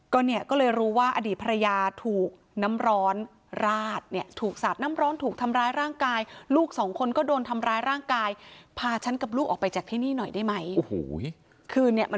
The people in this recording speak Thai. ก็เนี่ยก็เลยรู้ว่าอดีตภรรยาถูกน้ำร้อนราดเนี่ยถูกสาดน้ำร้อนถูกทำร้ายร่างกายลูกสองคนก็โดนทำร้ายร่างกายพาฉันกับลูกออกไปจากที่นี่หน่อยได้ไหม